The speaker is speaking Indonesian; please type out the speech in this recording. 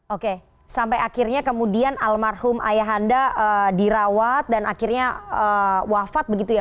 oke sampai akhirnya kemudian almarhum ayah anda dirawat dan akhirnya wafat begitu ya